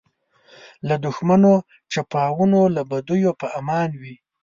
له دښمنو چپاوونو له بدیو په امان وي.